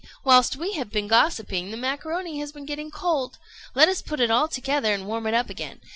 whilst we have been gossiping, the macaroni has been getting cold. Let us put it all together and warm it up again.